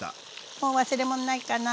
もう忘れ物ないかな？